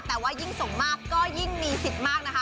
แต่ว่ายิ่งส่งมากก็ยิ่งมีสิทธิ์มากนะคะ